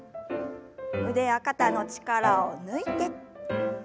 腕や肩の力を抜いて。